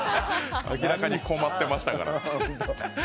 明らかに困ってましたから。